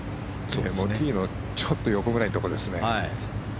ティーの、ちょっと横ぐらいのところですね。